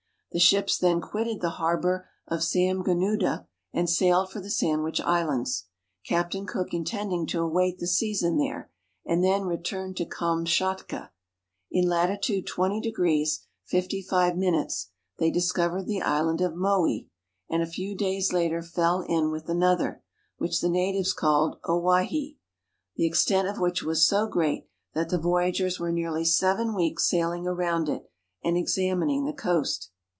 The ships then quitted the harbor of Samga noodah, and sailed for the Sandwich Islands, Captain Cook intending to await the season there, and then return to Kamtschatka. In latitude 20° 55' they dis covered the island of Mowee, and a few days later fell in with another, which the natives called Owhyhee, the extent of which was so great that the voyagers were nearly seven weeks sailing round it, and examining the coast.